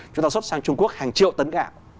chúng ta xuất sang trung quốc hàng triệu tấn gạo